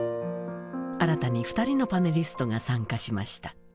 新たに２人のパネリストが参加しました。